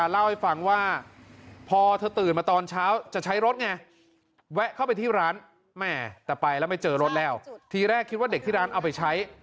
แล้วไม่เจอรถแล้วทีแรกคิดว่าเด็กที่ร้านเอาไปใช้